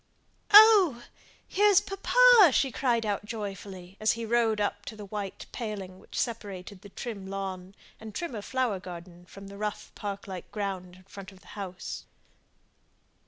"Oh! here's papa!" she cried out, joyfully, as he rode up to the white paling which separated the trim lawn and trimmer flower garden from the rough park like ground in front of the house.